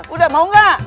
udah mau gak